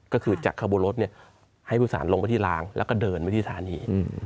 ก็คือจากขบวนรถให้ผู้โดยสารลงไปที่ลางแล้วก็เดินไปที่สถานี